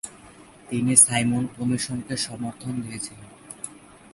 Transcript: তিনি সাইমন কমিশনকে সমর্থন দিয়েছিলেন।